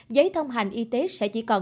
giấy thông hành y tế sẽ chỉ còn